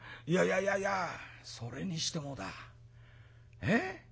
「いやいやそれにしてもだええ？